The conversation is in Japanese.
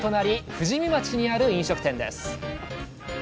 富士見町にある飲食店です